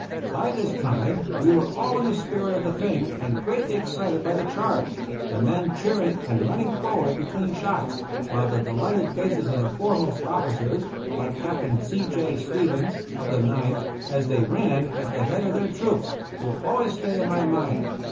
By this time we were all in the spirit of the thing and greatly excited by the charge, the men cheering and running forward between shots, while the delighted faces of the foremost officers, like Captain C. J. Stevens, of the Ninth, as they ran at the head of their troops, will always stay in my mind.